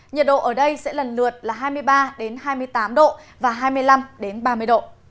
nhiệt độ ở đây sẽ lần lượt là hai mươi ba hai mươi tám độ và hai mươi năm ba mươi độ